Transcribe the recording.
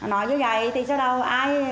nói như vậy thì sau đó ai